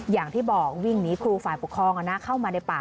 อย่างที่บอกวิ่งหนีครูฝ่ายปกครองเข้ามาในป่า